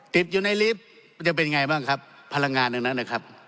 ติดอยู่ในลิฟต์มันจะเป็นยังไงบ้างครับพลังงานทั้งนั้นนะครับ